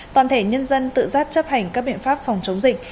toàn thể nhân dân tự giác chấp hành các biện pháp phòng chống dịch